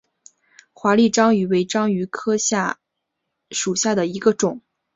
华丽章鱼为章鱼科丽蛸属下的一个种。